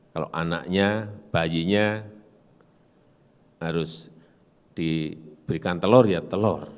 kalau anaknya bayinya harus diberikan telur ya telur